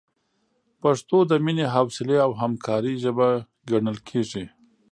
پښتو د مینې، حوصلې، او همکارۍ ژبه ګڼل کېږي.